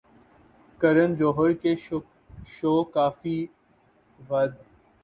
کرن جوہر کے شوکافی ود